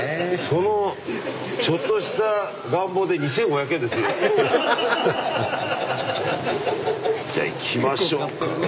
そのちょっとした願望で２，５００円ですよ。ハハハ！じゃあいきましょうか。